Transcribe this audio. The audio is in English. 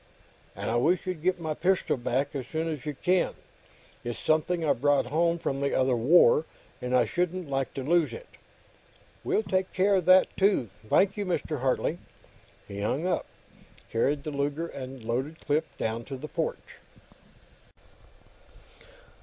"And I wish you'd get my pistol back, as soon as you can. It's something I brought home from the other War, and I shouldn't like to lose it." "We'll take care of that, too. Thank you, Mr. Hartley." He hung up, and carried the Luger and the loaded clip down to the porch.